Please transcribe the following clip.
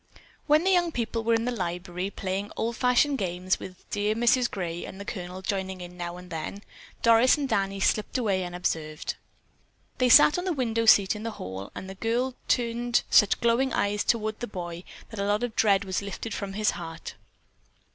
When the young people were in the library playing old fashioned games, with dear Mrs. Gray and the Colonel joining in now and then, Doris and Danny slipped away unobserved. They sat on a window seat in the hall and the girl turned such glowing eyes toward the boy that a load of dread was lifted from his heart.